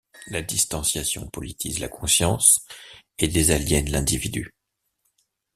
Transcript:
La distanciation politise la conscience et désaliène l’individu.